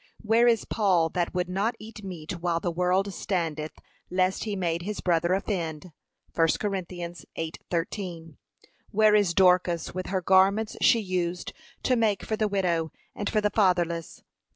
Where is Paul that would not eat meat while the world standeth, lest he made his brother offend? (1 Cor 8:13) Where is Dorcas, with her garments she used to make for the widow, and for the fatherless?